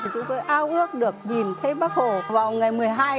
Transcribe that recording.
chúng tôi ao ước được nhìn thấy bắc hồ vào ngày một mươi hai